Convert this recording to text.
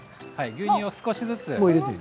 牛乳を少しずつ。